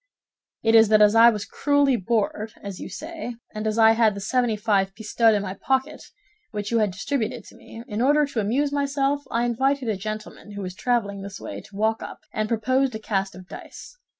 "It is that as I was cruelly bored, as you say, and as I had the seventy five pistoles in my pocket which you had distributed to me, in order to amuse myself I invited a gentleman who was traveling this way to walk up, and proposed a cast of dice.